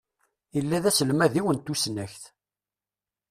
Illa d aselmad-iw n tusnakt.